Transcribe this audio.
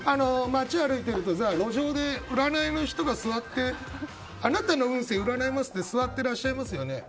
街を歩いてるとさ路上で占いの人が座ってあなたの運勢占いますって座っていらっしゃいますよね。